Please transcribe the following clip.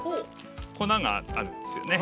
粉があるんですよね。